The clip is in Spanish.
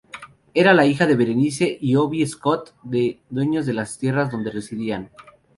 Era la hija de Bernice y Obie Scott, dueños de las tierras donde residían.